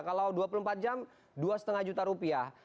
kalau dua puluh empat jam dua lima juta rupiah